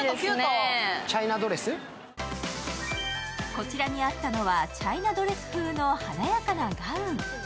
こちらにあったのは、チャイナドレス風の華やかなガウン。